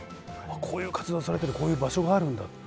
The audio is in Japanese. こういう活動されてるこういう場所があるんだ。